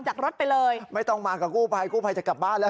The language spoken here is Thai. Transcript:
จากรถไปเลยไม่ต้องมากับกู้ภัยกู้ภัยจะกลับบ้านแล้ว